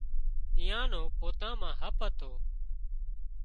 ايئان نو پوتان مان هپ هتو